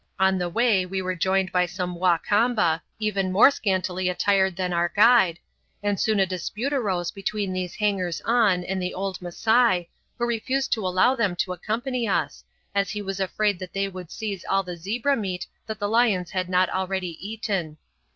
On the way we were joined by some Wa Kamba, even more scantily attired than our guide, and soon a dispute arose between these hangers on and the old Masai, who refused to allow them to accompany us, as he was afraid that they would seize all the zebra meat that the lions had not already eaten.